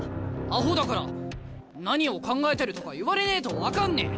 アホだから何を考えてるとか言われねえと分かんねえ。